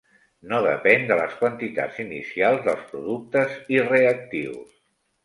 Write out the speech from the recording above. No depèn de les quantitats inicials dels productes i reactius.